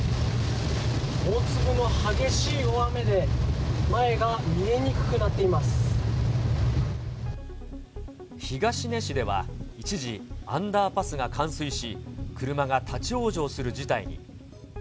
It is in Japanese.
大粒の激しい大雨で、前が見東根市では、一時、アンダーパスが冠水し、車が立往生する事態に。